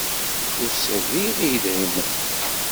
Ur serriɣ i yedrimen.